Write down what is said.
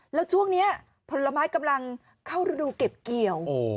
แล้วช่วงนี้ผลไม้กำลังเข้าระดูเก็บเกี่ยว